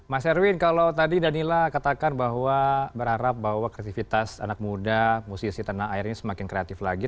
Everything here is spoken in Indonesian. mas erwin kalau tadi danila katakan bahwa berharap bahwa kreativitas anak muda musisi tanah air ini semakin kreatif lagi